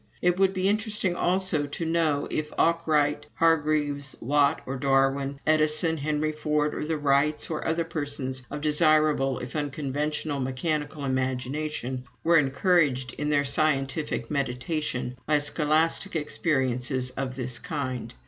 It would be interesting also to know if Arkwright, Hargreaves, Watt, or Darwin, Edison, Henry Ford, or the Wrights, or other persons of desirable if unconventional mechanical imagination, were encouraged in their scientific meditation by scholastic experiences of this kind.